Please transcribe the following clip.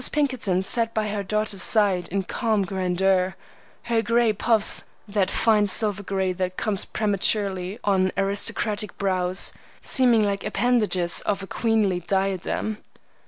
Pinkerton sat by her daughter's side in calm grandeur, her gray puffs—that fine silver gray that comes prematurely on aristocratic brows—seeming like appendages of a queenly diadem.